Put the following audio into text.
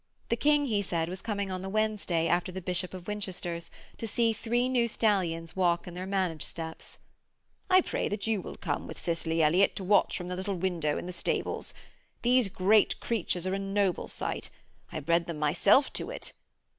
The King, he said, was coming on the Wednesday, after the Bishop of Winchester's, to see three new stallions walk in their manage steps. 'I pray that you will come with Cicely Elliott to watch from the little window in the stables. These great creatures are a noble sight. I bred them myself to it.'